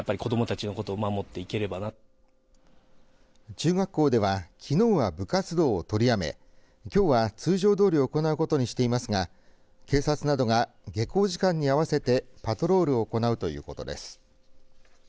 中学校ではきのうは部活動を取りやめきょうは通常どおり行うことにしていますが警察などが下校時間に合わせてパトロールを行うということです。